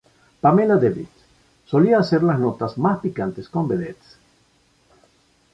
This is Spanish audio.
Pamela David, solía hacer las notas más picantes con vedettes.